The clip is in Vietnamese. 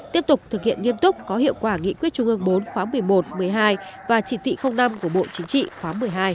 tiếp tục thực hiện nghiêm túc có hiệu quả nghị quyết trung ương bốn khóa một mươi một một mươi hai và chỉ thị năm của bộ chính trị khóa một mươi hai